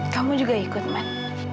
kamu juga ikut men